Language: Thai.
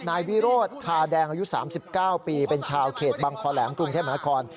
นายวิโรธคาแดงอายุ๓๙ปีเป็นชาวเขตบังคอแหลมกรุงเทพมหานคร